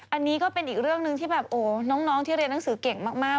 อันนี้ก็เป็นอีกเรื่องหนึ่งที่แบบโอ้น้องที่เรียนหนังสือเก่งมาก